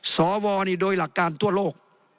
สวโดยหลักการทั่วโลก